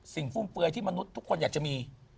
สิ่งฟุ้มเปรย์ที่มนุษย์ทุกคนอยากจะมี